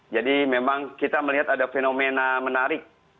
jadi memang kita melihat ada fenomena menarik